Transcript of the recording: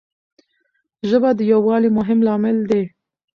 ژبه د یووالي مهم لامل دی.